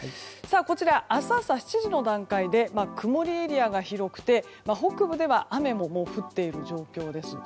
こちら明日朝７時の段階で曇りエリアが広くて北部では雨も降っている状況です。